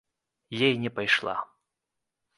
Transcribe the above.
Я і не пайшла.